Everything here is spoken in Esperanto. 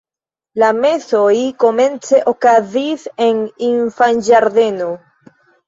La mesoj komence okazis en infanĝardeno.